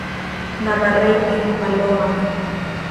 Navarrete, Paloma.